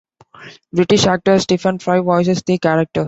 British actor Stephen Fry voices the character.